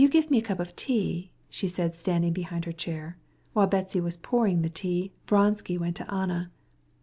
"Give me a cup of tea," she said, standing at her table. While Betsy was pouring out the tea, Vronsky went up to Anna.